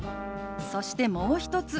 そしてもう一つ。